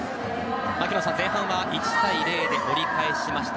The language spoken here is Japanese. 槙野さん、前半は１対０で折り返しました。